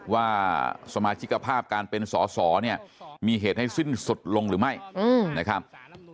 ว่าสมาชิกภาพการเป็นสอสอเนี่ยมีเหตุให้สิ้นสุดลงหรือไม่นะครับ